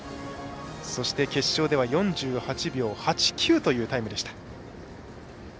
そして、決勝では４８秒８９というタイムでした。